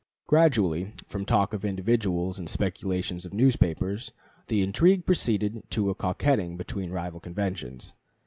Gradually, from talk of individuals and speculations of newspapers, the intrigue proceeded to a coquetting between rival conventions.